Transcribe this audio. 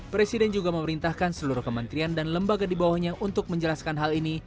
presiden juga memerintahkan seluruh kementerian dan lembaga di bawahnya untuk menjelaskan hal ini